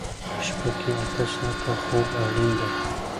په شپه کې اته ساعته خوب اړین دی.